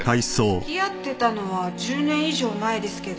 付き合ってたのは１０年以上前ですけど。